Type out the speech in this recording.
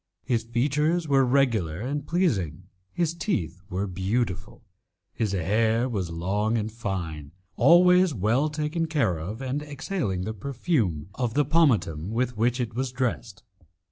His features were regular and pleasing, his teeth were beautiful, his hair was long and fine, always well taken care of, and exhaling the perfume of the pomatum with which it was dressed.